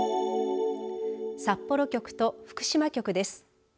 札幌局と福島局です。